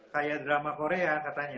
kayak drama korea katanya